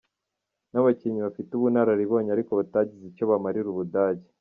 N’abakinnyi bafite ubunararibonye ariko batagize icyo bamarira Ubudage.